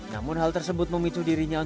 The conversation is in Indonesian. namun hal tersebut memicu dirinya